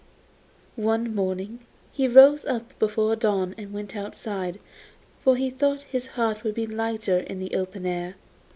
One morning he rose up before dawn and went outside, for he thought his heart would be lighter in the open air.